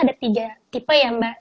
ada tiga tipe ya mbak